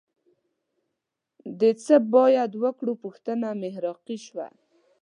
د څه باید وکړو پوښتنه محراقي شوه